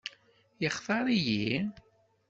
Yextaṛ-iyi?